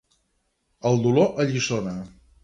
El dolor alliçona.